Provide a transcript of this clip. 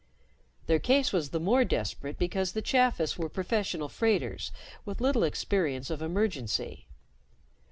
Their case was the more desperate because the Chafis were professional freighters with little experience of emergency.